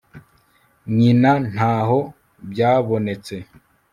nyina ntaho byabonetse